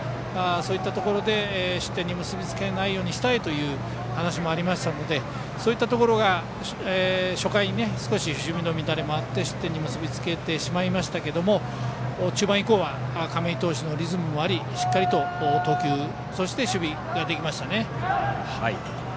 そういったところで失点に結び付けないようにしたいという話もあったのでそういったところが初回に少し守備の乱れもあって失点に結び付けてしまいましたが中盤以降は亀井投手のリズムもありしっかり投球、守備ができました。